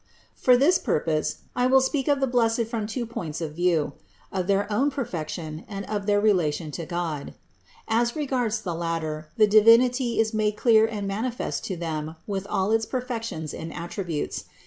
159. For this purpose I will speak of the blessed from two points of view : of their own perfection and of their relation to God. As regards the latter, the Divinity is made clear and manifest to them with all its perfections and attributes.